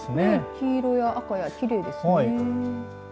黄色や、赤や、きれいですね。